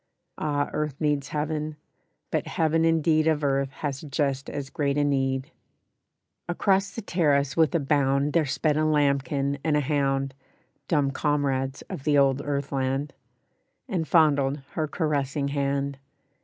Ah! earth needs heaven, but heaven indeed Of earth has just as great a need." Across the terrace with a bound There sped a lambkin and a hound (Dumb comrades of the old earth land) And fondled her caressing hand.